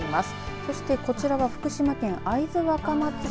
そして、こちらは福島県会津若松市。